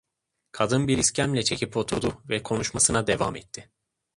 Kadın bir iskemle çekip oturdu ve konuşmasına devam etti.